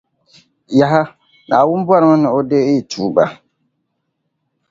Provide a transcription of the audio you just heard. Yaha! Naawuni bɔrimi ni O deei yi tuuba.